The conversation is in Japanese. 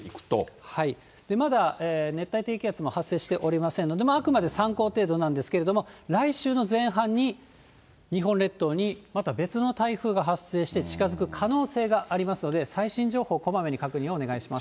まだ熱帯低気圧も発生しておりませんので、あくまで参考程度なんですけれども、来週の前半に日本列島にまた別の台風が発生して近づく可能性がありますので、最新情報をこまめに確認をお願いします。